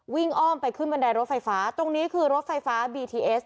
อ้อมไปขึ้นบันไดรถไฟฟ้าตรงนี้คือรถไฟฟ้าบีทีเอส